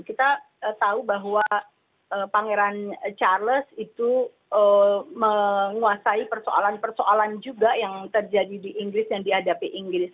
kita tahu bahwa pangeran charles itu menguasai persoalan persoalan juga yang terjadi di inggris dan dihadapi inggris